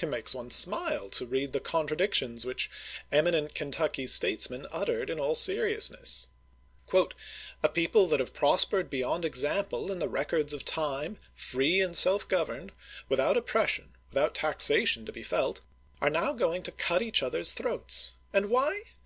It makes one smile to read the contradictions which eminent Kentucky statesmen uttered in all seriousness. A people that have prospered beyond example in the records of time, free and self governed, without oppres sion, without taxation to be felt, are now going to cut each other's throats ; and why